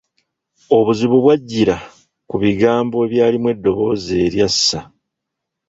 Obuzibu bw’ajjira ku bigambo ebyalimu eddoboozi erya ssa.